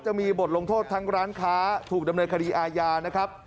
จะมีบทลงโทษทั้งร้านค้าถูกดำเนินคดีอาญานะครับ